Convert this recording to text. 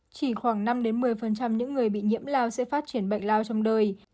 chỉ khoảng năm một mươi những người bị nhiễm lao sẽ phát triển bệnh lao trong đời